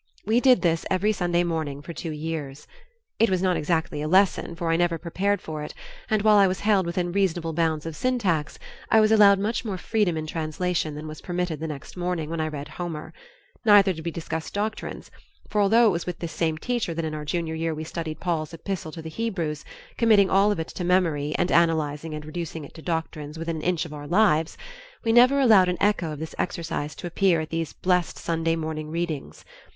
We did this every Sunday morning for two years. It was not exactly a lesson, for I never prepared for it, and while I was held within reasonable bounds of syntax, I was allowed much more freedom in translation than was permitted the next morning when I read Homer; neither did we discuss doctrines, for although it was with this same teacher that in our junior year we studied Paul's Epistle to the Hebrews, committing all of it to memory and analyzing and reducing it to doctrines within an inch of our lives, we never allowed an echo of this exercise to appear at these blessed Sunday morning readings.